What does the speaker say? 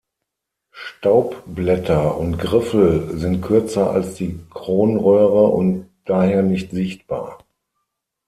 Staubblätter und Griffel sind kürzer als die Kronröhre und daher nicht sichtbar.